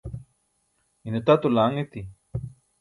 ine tato laaṅ eti